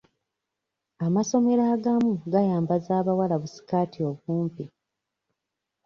Amasomero agamu gayambaza abawala bu sikaati obumpi.